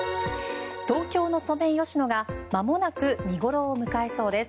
東京のソメイヨシノがまもなく見頃を迎えそうです。